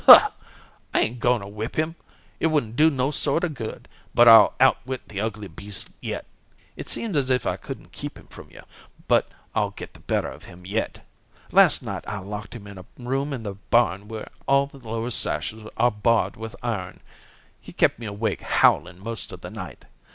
"I ain't going to whip him. It wouldn't do no sort of good. But I'll outwit the ugly beast yet. It seems as if I couldn't keep him from you, but I'll get the better of him yet. Last night I locked him in a room in the barn where all the lower sashes are barred with iron. He kept me awake howling most of the night.